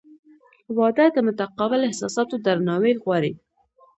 • واده د متقابل احساساتو درناوی غواړي.